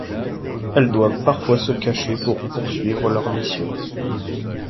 Elles doivent parfois se cacher pour poursuivre leur mission.